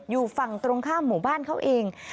อยู่ฝั่งตรงข้ามหมู่บ้านเขาเอง